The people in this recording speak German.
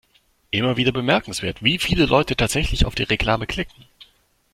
Immer wieder bemerkenswert, wie viele Leute tatsächlich auf die Reklame klicken.